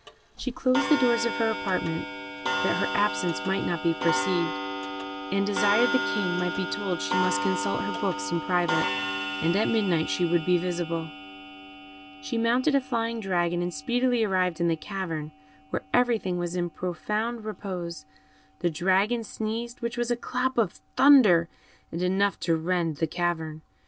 She closed the doors of her apartment, that her absence might not be perceived, and desired the King might be told she must consult her books in private, and at midnight she would be visible. She mounted a flying dragon, and speedily arrived in the cavern, where everything was in profound repose; the dragon sneezed, which was like a clap of thunder, and enough to rend the cavern.